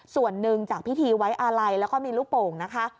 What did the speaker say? ส่วนหนึ่งจากพิธีไว้อาลัยแล้วก็มีลูกโป่งนะคะ